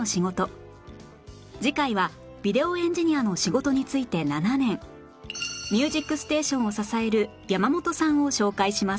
次回はビデオエンジニアの仕事に就いて７年『ＭＵＳＩＣＳＴＡＴＩＯＮ』を支える山本さんを紹介します